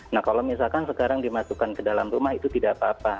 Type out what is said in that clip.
nah kalau misalkan sekarang dimasukkan ke dalam rumah itu tidak apa apa